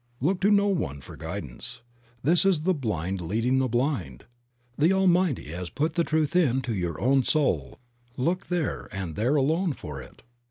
Look to no one for guidance. This is the "blind leading the blind." The Almighty has put the truth into your own soul ; look there and there alone for it.